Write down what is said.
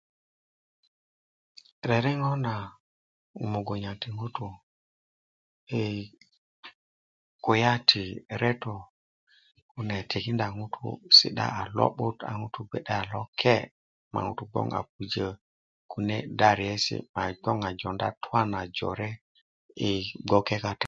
Rereŋö na mugunya ti ŋutu ee kulya ti reto kune tikinda ŋutu si'da a lo'but a bgwe a ŋutu loke ma yi bgoŋ jounda twana jore i bgwoke kat